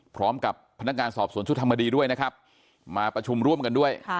พร้อมกับพนักงานสอบสวนชุดธรรมดีด้วยนะครับมาประชุมร่วมกันด้วย